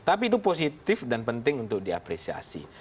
tapi itu positif dan penting untuk diapresiasi